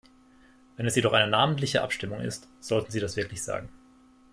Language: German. Wenn es jedoch eine namentliche Abstimmung ist, sollten Sie das wirklich sagen.